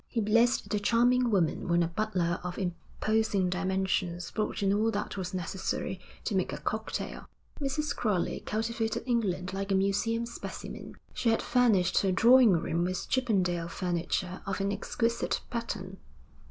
He blessed the charming woman when a butler of imposing dimensions brought in all that was necessary to make a cocktail. Mrs. Crowley cultivated England like a museum specimen. She had furnished her drawing room with Chippendale furniture of an exquisite pattern.